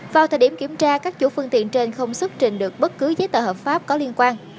vào thời điểm kiểm tra các chủ phương tiện trên không xuất trình được bất cứ giấy tờ hợp pháp có liên quan